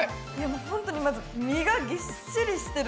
ほんとにまず実がぎっしりしてる。